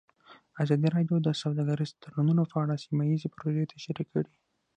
ازادي راډیو د سوداګریز تړونونه په اړه سیمه ییزې پروژې تشریح کړې.